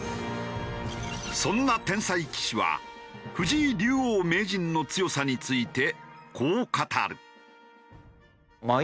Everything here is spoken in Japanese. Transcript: そんな天才棋士は藤井竜王・名人の強さについてこう語る。